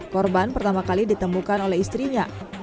korban pertama kali ditemukan oleh istrinya